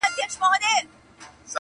ورونه دي بند وي د مکتبونو -